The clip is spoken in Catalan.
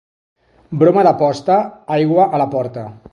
Broma de posta, aigua a la porta.